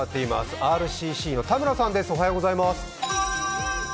ＲＣＣの田村さんです。